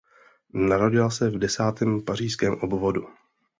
Narodila se v desátém pařížském obvodu.